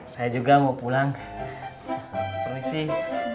saya juga mau pulang terus sih